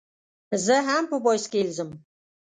زه هم په بایسکل ځم.